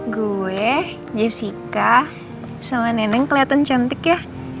gue jessica sama neneng keliatan cantik ya